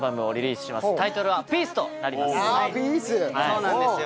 そうなんですよ。